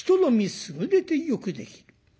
優れてよくできる。